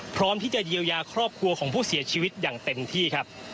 พร้อมที่จะเยียวยาครอบครัวของผู้เสียชีวิตอย่างเต็มที่ครับ